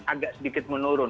agak sedikit menurun